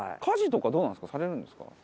家事とかどうなんですか？